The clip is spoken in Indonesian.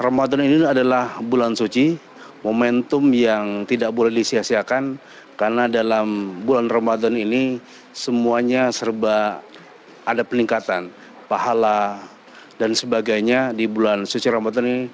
ramadan ini adalah bulan suci momentum yang tidak boleh disiasiakan karena dalam bulan ramadan ini semuanya serba ada peningkatan pahala dan sebagainya di bulan suci ramadan ini